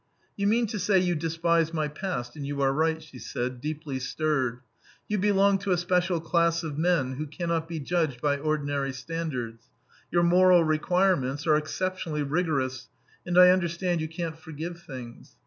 "You mean to say you despise my past, and you are right," she said, deeply stirred. "You belong to a special class of men who cannot be judged by ordinary standards; your moral requirements are exceptionally rigorous, and I understand you can't forgive things.